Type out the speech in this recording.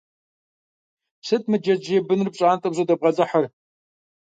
Сыт мы джэджьей быныр пщӀантӀэм щӀыдэбгъэлӀыхьыр?